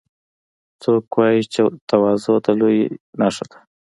څوک وایي چې تواضع د لویۍ نښه ده